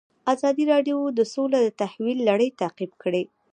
ازادي راډیو د سوله د تحول لړۍ تعقیب کړې.